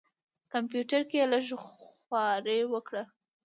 کمپیوټر کې یې لږه خواري وکړه.